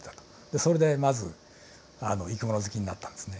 それでまず生き物好きになったんですね。